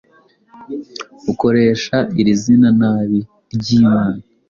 ukoresha iri zina nabi.ry' imana